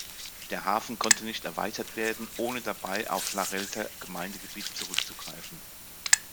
Der Hafen konnte nicht erweitert werden, ohne dabei auf Larrelter Gemeindegebiet zurückzugreifen.